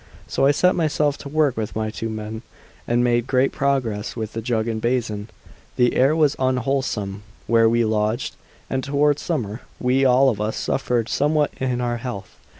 So I set myself to work with my two men, and made great progress with the jug and basin. The air was unwholesome where we lodged, and toward summer we all of us suffered somewhat in our health.